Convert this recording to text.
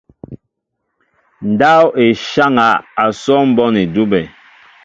Ndáw e nsháŋa asó mbón edube.